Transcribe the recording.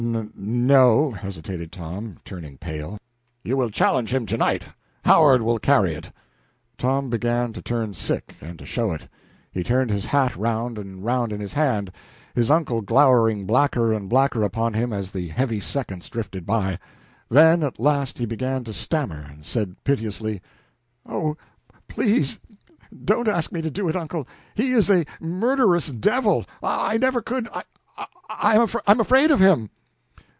"N no," hesitated Tom, turning pale. "You will challenge him to night. Howard will carry it." Tom began to turn sick, and to show it. He turned his hat round and round in his hand, his uncle glowering blacker and blacker upon him as the heavy seconds drifted by; then at last he began to stammer, and said piteously "Oh, please don't ask me to do it, uncle! He is a murderous devil I never could I I'm afraid of him!"